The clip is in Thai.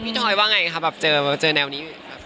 พี่ทอยว่าไงครับเจอแนวนี้